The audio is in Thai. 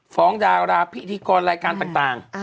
ดาราพิธีกรรายการต่าง